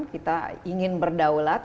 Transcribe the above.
kita ingin berdaulat